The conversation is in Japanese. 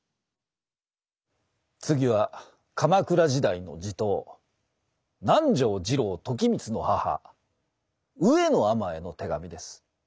次は鎌倉時代の地頭南条次郎時光の母上野尼への手紙です。